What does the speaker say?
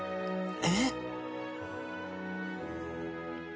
えっ？